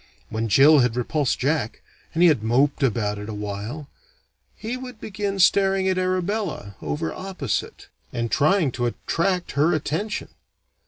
When Jill had repulsed Jack, and he had moped about it awhile, he would begin staring at Arabella, over opposite, and trying to attract her attention.